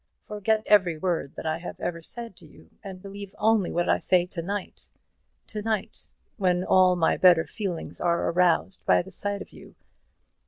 forget every word that I have ever said to you, and believe only what I say to night to night, when all my better feelings are aroused by the sight of you.